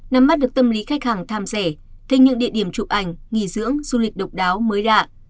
nắm mắt được tâm lý khách hàng tham rẻ thì những địa điểm chụp ảnh nghỉ dưỡng du lịch độc đáo mới lạ